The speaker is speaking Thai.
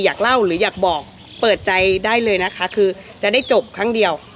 อยากเล่าหรืออยากบอกเปิดใจได้เลยนะคะคือจะได้จบครั้งเดียว